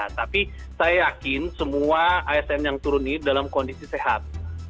tapi saya yakin semua asn yang turun ini dalam kondisi sehat